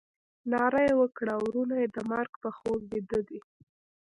ناره یې وکړه ورونه د مرګ په خوب بیده دي.